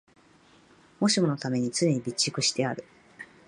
もしものために常に備蓄してある